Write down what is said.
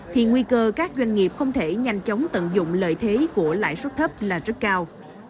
thì nguy cơ các doanh nghiệp không thể nhanh chóng tận dụng lợi thế của lãi suất thấp là rất cao